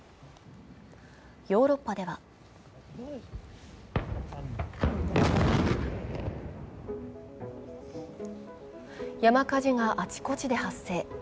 ヨーロッパでは山火事があちこちで発生。